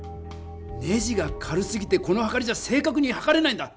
ネジが軽すぎてこのはかりじゃ正かくにはかれないんだ！